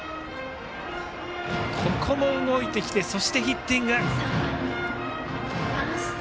ここも動いてきてヒッティング。